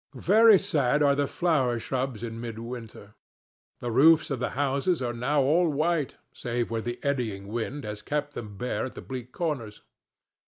Very sad are the flower shrubs in midwinter. The roofs of the houses are now all white, save where the eddying wind has kept them bare at the bleak corners.